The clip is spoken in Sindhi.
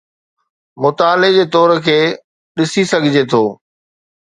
مطالعي جي طور تي ڏسي سگھجي ٿو.